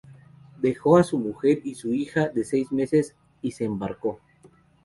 Dejó a su mujer y su hija de seis meses y se embarcó.